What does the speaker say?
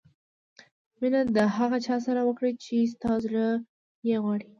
مینه د هغه چا سره وکړه چې ستا زړه یې غواړي.